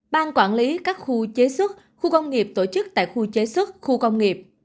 ban quản lý các khu chế xuất khu công nghiệp tổ chức tại khu chế xuất khu công nghiệp